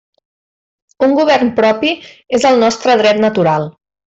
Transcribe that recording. Un govern propi és el nostre dret natural.